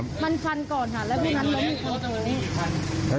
ไม่โดนซันค่ะ